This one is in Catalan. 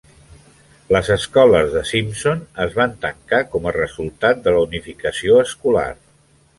Les escoles de Simpson es van tancar com a resultat de la unificació escolar.